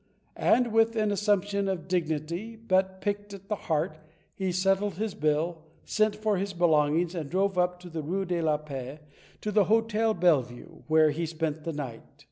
And, with an assumption of dignity, but piqued at heart, he settled his bill, sent for his belong RIDDLE STORIES 39 ings, and drove up the Rue de la Paix to the Hotel Bellevue, where he spent the night.